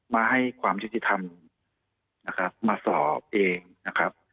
มาให้ความยุติธรรมนะครับมาสอบเองนะครับ